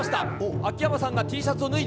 秋山さんがＴシャツを脱いだ。